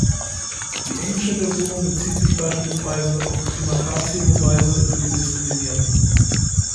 Die englische Version bezieht sich beispielsweise auf "prima facie" -Beweise für die Diskriminierung.